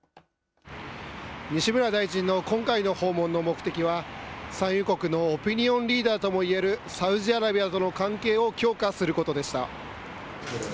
西村大臣の今回の訪問の目的は、産油国のオピニオンリーダーともいえるサウジアラビアとの関係を強化することでした。